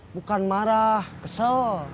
bukan marah kesel